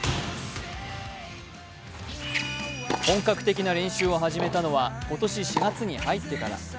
本格的な練習を始めたのは今年４月に入ってから。